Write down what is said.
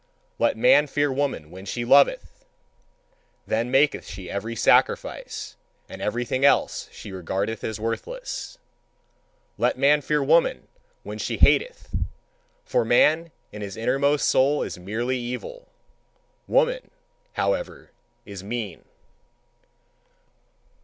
Let man fear woman when she loveth: then maketh she every sacrifice, and everything else she regardeth as worthless. Let man fear woman when she hateth: for man in his innermost soul is merely evil; woman, however, is mean.